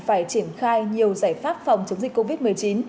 phải triển khai nhiều giải pháp phòng chống dịch covid một mươi chín